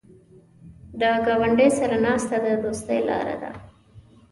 د ګاونډي سره ناسته د دوستۍ لاره ده